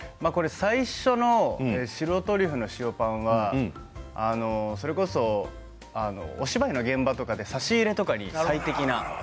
最初の白トリュフの塩パンはそれこそ、お芝居の現場とかで差し入れとかに最適な。